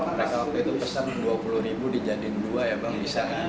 mereka waktu itu pesan dua puluh ribu dijadiin dua ya bang di sana